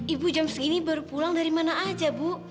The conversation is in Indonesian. ibu jam segini baru pulang dari mana aja bu